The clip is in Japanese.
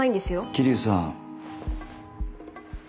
桐生さん。